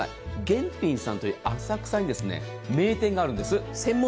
玄品さんという浅草に名店があるんです。